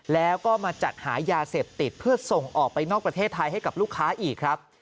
แล้วก็มาจัดหายาเสพติดเพื่อส่งออกไปนอกประเทศไทยให้กับลูกค้าอีกครับ